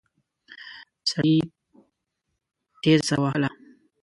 سړي تېزه ساه وهله.